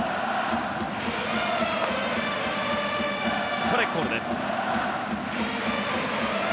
ストライクコールです。